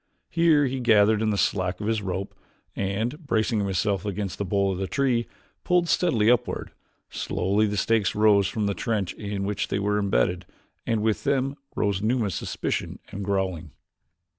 Here he gathered in the slack of the rope and, bracing himself against the bole of the tree, pulled steadily upward. Slowly the stakes rose from the trench in which they were imbedded and with them rose Numa's suspicion and growling.